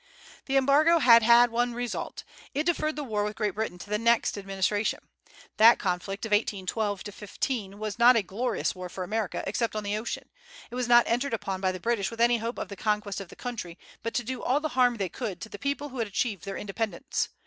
The Embargo had had one result: it deferred the war with Great Britain to the next administration. That conflict of 1812 15 was not a glorious war for America except on the ocean. It was not entered upon by the British with any hope of the conquest of the country, but to do all the harm they could to the people who had achieved their independence.